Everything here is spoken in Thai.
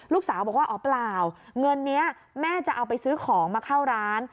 ลูกสาวบอกว่าอ๋อเปล่าเงินนี้แม่จะเอาไปซื้อของมาเข้าร้าน